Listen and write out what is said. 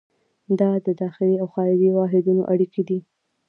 دا د داخلي او خارجي واحدونو اړیکې دي.